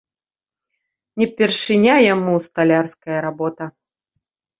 Не першыня яму сталярская работа.